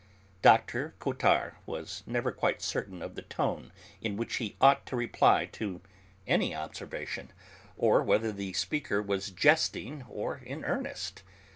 Dr. Cottard was never quite certain of the tone in which he ought to reply to any observation, or whether the speaker was jesting or in earnest.